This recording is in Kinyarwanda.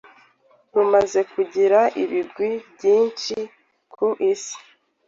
rumaze kugira ibigwi byinshi ku Isi.